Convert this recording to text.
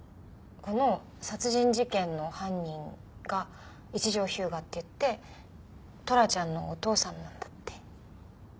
この殺人事件の犯人が一条彪牙っていってトラちゃんのお父さんなんだって。